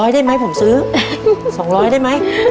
ได้ไหมผมซื้อ๒๐๐ได้ไหม